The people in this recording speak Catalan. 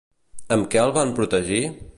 Amb què el van protegir?